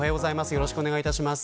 よろしくお願いします。